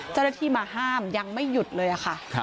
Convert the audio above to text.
เจ้าหน้าที่มาห้ามยังไม่หยุดเลยค่ะ